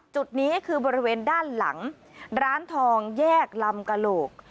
จุดนี้คือบริเวณด้านหลังร้านทองแยกลำกระโหลก